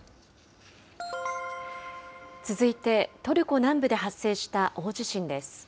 続いて、トルコ南部で発生した大地震です。